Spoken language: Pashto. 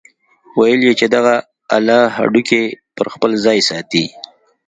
ويل يې چې دغه اله هډوکي پر خپل ځاى ساتي.